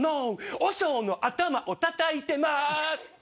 和尚の頭をたたいてます。